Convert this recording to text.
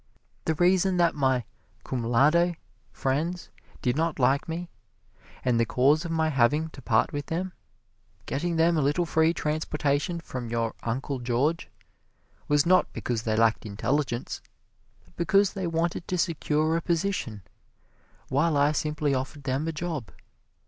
The reason that my "cum laude" friends did not like me, and the cause of my having to part with them getting them a little free transportation from your Uncle George was not because they lacked intelligence, but because they wanted to secure a position, while I simply offered them a job.